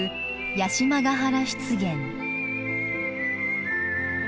八島ヶ原湿原。